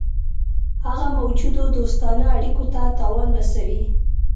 هغه موجودو دوستانه اړېکو ته تاوان رسوي.